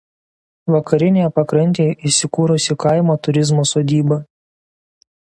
Vakarinėje pakrantėje įsikūrusi kaimo turizmo sodyba.